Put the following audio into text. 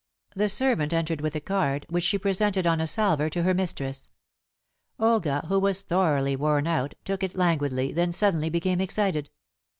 The servant entered with a card, which she presented on a salver to her mistress. Olga, who was thoroughly worn out, took it languidly, then suddenly became excited.